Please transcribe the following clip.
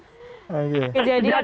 kejadian pokoknya disana ya